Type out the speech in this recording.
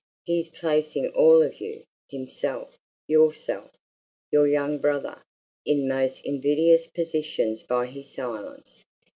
"He is placing all of you himself, yourself, your young brother in most invidious positions by his silence!